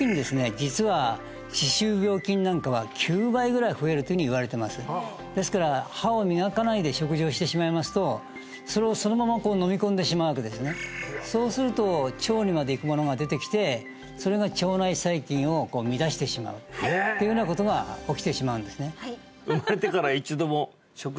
実は歯周病菌なんかは９倍ぐらい増えるというふうにいわれていますですから歯を磨かないで食事をしてしまいますとそれをそのまま飲み込んでしまうわけですねそうすると腸にまで行くものが出てきてそれが腸内細菌をこう乱してしまうっていうようなことが起きてしまうんですねあら！